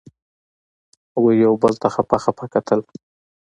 هغوی یو بل ته خپه خپه کتل.